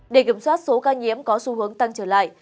để kiểm soát số ca nhiễm có xu hướng tăng trở lại